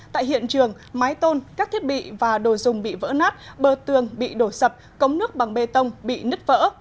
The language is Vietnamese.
tại hiện trường mái tôn các thiết bị và đồ dùng bị vỡ nát bờ tường bị đổ sập cống nước bằng bê tông bị nứt vỡ